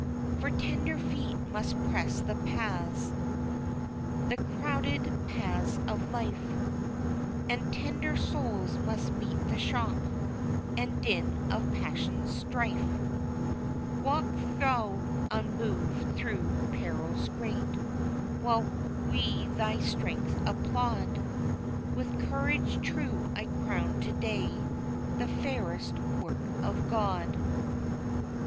"For tender feet must press the paths The crowded paths of life And tender souls must meet the shock And din of passions strife. "Walk thou unmoved through perils great, While we thy strength applaud, With Courage true I crown to day The fairest work of God."